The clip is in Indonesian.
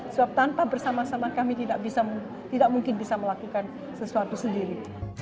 sebab tanpa bersama sama kami tidak mungkin bisa melakukan sesuatu sendiri